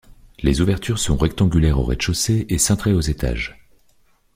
Les ouvertures sont rectangulaires au rez-de-chaussée et cintrées aux étages.